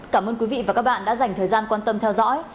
cảm ơn quý vị và các bạn đã dành thời gian quan tâm theo dõi